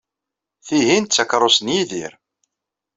Tihin d takeṛṛust n Yidir.